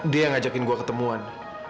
dia yang ngajakin gue ketemuan